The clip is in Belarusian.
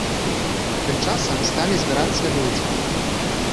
Тым часам сталі збірацца людзі.